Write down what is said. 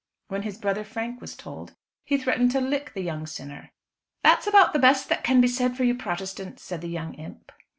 When his brother Frank was told, he threatened to "lick the young sinner." "That's about the best can be said for you Protestants," said the young imp.